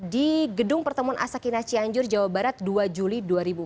di gedung pertemuan asakina cianjur jawa barat dua juli dua ribu empat belas